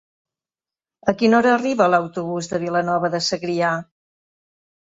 A quina hora arriba l'autobús de Vilanova de Segrià?